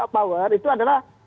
power itu adalah